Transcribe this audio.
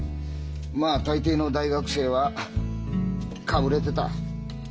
まあ大抵の大学生はかぶれてた。